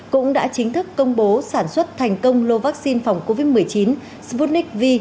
cũng đã chính thức công bố sản xuất thành công lô vaccine phòng covid một mươi chín sputnik v